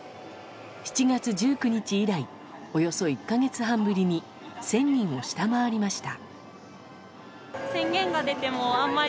７月１９日以来およそ１か月半ぶりに１０００人を下回りました。